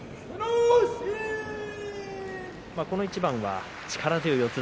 この一番は力強い四つ